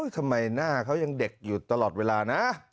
ทำไมหน้าเขายังเด็กอยู่ตลอดเวลานะ